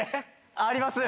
あります。